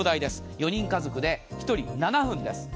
４人家族で１人７分です。